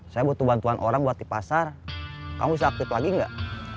saya butuh bantuan orang buat di pasar kamu bisa aktif lagi nggak